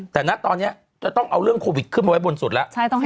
แต่ณตอนนี้จะต้องเอาเรื่องโควิดขึ้นมาไว้บนสุดแล้ว